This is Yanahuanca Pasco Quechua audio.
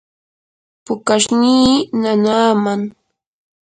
pukashnii nanaaman.